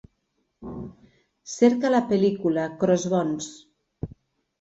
Cerca la pel·lícula Crossbones